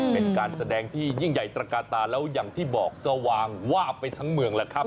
เป็นการแสดงที่ยิ่งใหญ่ตระกาตาแล้วอย่างที่บอกสว่างวาบไปทั้งเมืองแหละครับ